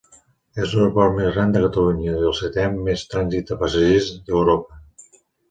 És l'aeroport més gran de Catalunya i el setè amb més trànsit de passatgers d'Europa.